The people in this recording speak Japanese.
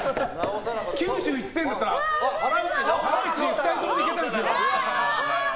９１点だったらハライチ２人ともいけたんですよ。